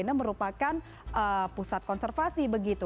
karena merupakan pusat konservasi begitu